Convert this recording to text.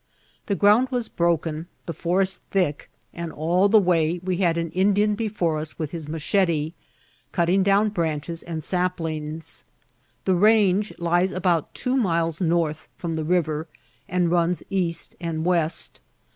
The ground was broken, the forest thick, and all the way we had an Indian beiore us with his machete, cutting down branches and sap lings. The range lies about two miles north from the river, and runs east and west.